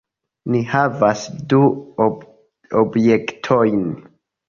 Ni havas du objektojn.